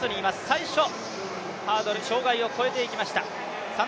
最初、ハードル障害を越えていきました。